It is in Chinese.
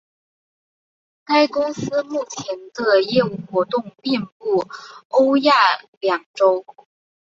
该公司目前的业务活动遍布欧亚两洲。